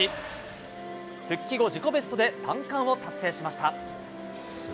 復帰後、自己ベストで３冠を達成しました。